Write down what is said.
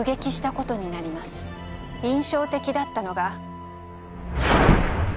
印象的だったのが。